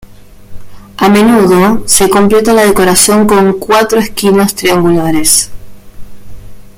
A menudo se completa la decoración con cuatro esquinas triangulares.